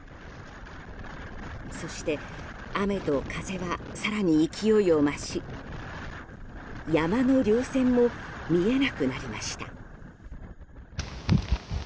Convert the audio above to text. そして、雨と風は更に勢いを増し山の稜線も見えなくなりました。